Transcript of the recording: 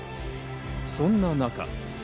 そんな中。